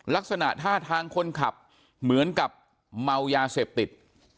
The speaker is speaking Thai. ลักษณะท่าทางคนขับเหมือนกับเมายาเสพติด